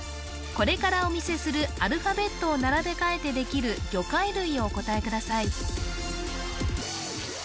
これからお見せするアルファベットを並べ替えてできる魚介類をお答えください